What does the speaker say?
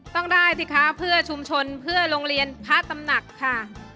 ต้องได้สิคะเพื่อชุมชนเพื่อโรงเรียนพระตำหนักค่ะ